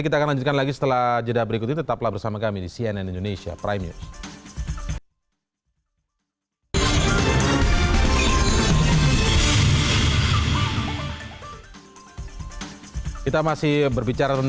itu betul betul bisa diajawantahkan